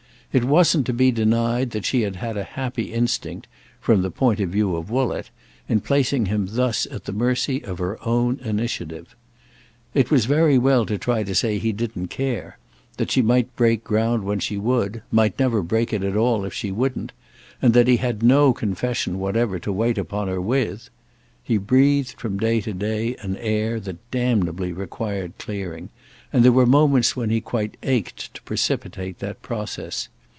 It wasn't to be denied that she had had a happy instinct, from the point of view of Woollett, in placing him thus at the mercy of her own initiative. It was very well to try to say he didn't care—that she might break ground when she would, might never break it at all if she wouldn't, and that he had no confession whatever to wait upon her with: he breathed from day to day an air that damnably required clearing, and there were moments when he quite ached to precipitate that process.